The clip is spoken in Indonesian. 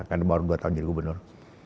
karena baru dua tahun jadi gubernur